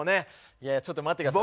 いやいやちょっと待って下さい。